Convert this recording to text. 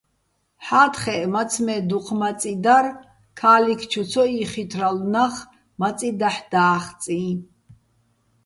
ჰ̦ა́თხეჸ, მაცმე́ დუჴ მაწი დარ, ქა́ლიქ ჩუ ცო იხითრალო̆ ნახ მაწი დაჰ̦ და́ხწიჼ.